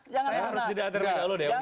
saya harus jadi atir pada anda pak